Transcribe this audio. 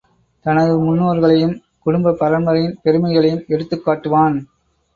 தனது முன்னோர்களையும், குடும்பப் பரம்பரையின் பெருமைகனையும் எடுத்துக் காட்டுவான்!